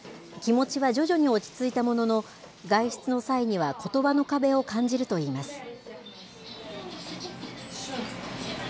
気持ちは徐々に落ち着いたものの、外出の際にはことばの壁を感じるといいます。